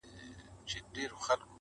يو کال وروسته کلي بدل سوی,